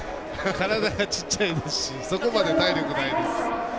体が小さいですしそこまで体力ないです。